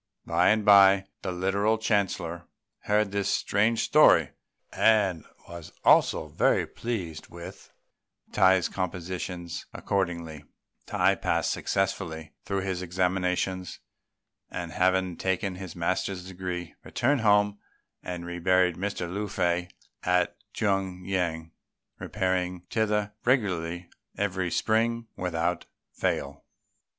By and by the Literary Chancellor heard this strange story, and was also very pleased with Tai's compositions; accordingly, Tai passed successfully through his examinations, and, having taken his master's degree, returned home and reburied Mr. Lung fei at Tung yüan, repairing thither regularly every spring without fail.